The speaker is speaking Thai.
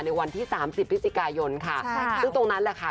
ในวันที่๓๐พฤศจิกายนค่ะซึ่งตรงนั้นแหละค่ะ